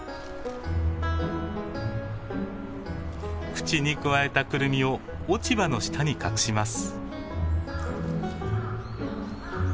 口にくわえたクルミを落ち葉の下に隠します。